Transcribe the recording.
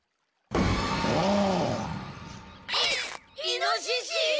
イイノシシ！？